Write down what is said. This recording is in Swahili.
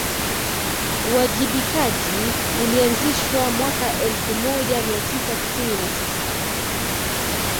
uwajibikaji ulianzishwa mwaka elfu moja mia tisa tisini na sita